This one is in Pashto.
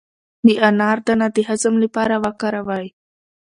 د انار دانه د هضم لپاره وکاروئ